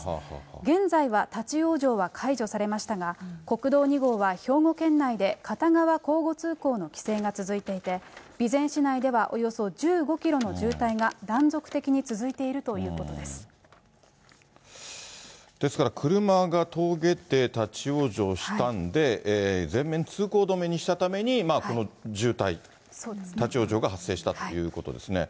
現在は立往生は解除されましたが、国道２号は兵庫県内で、片側交互通行の規制が続いていて、備前市内ではおよそ１５キロの渋滞が断続的に続いているというこですから、車が峠で立往生したんで、全面通行止めにしたために、この渋滞、立往生が発生したということですね。